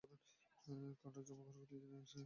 Kant জন্মগ্রহণ করেছিলেন এক নিম্ন মধ্যবিত্ত পরিবারে।